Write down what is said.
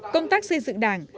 công tác xây dựng đảng